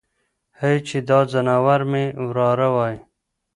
هی چې دا ځناور مې وراره وای.